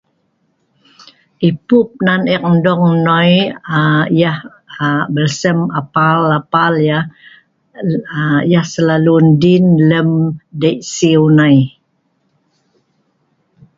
Ipup nan ek ndong noi, aaa yah aa belsem apal apal yah, aa yah selalu endin lem dei' siu' nai.